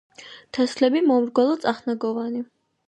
თესლები მომრგვალო წახნაგოვანი.